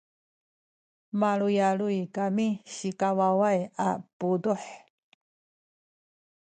maluyaluyay kami sikawaway a puduh